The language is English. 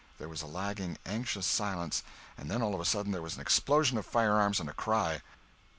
There was a lagging, anxious silence, and then all of a sudden there was an explosion of firearms and a cry.